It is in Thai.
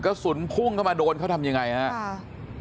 กระสุนพุ่งเข้ามาโดนเขาทำยังไงครับ